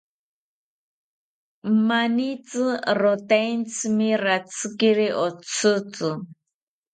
Manitzi rotentzimi ratzikiri otzitzi